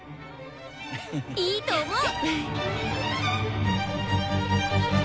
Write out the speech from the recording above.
いいと思う！